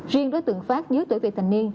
riêng đối tượng phát nhớ tuổi về thành niên